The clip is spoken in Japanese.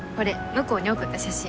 向こうに送った写真。